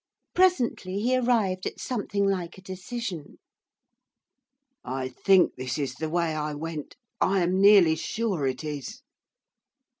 Presently he arrived at something like a decision. 'I think this is the way I went, I am nearly sure it is.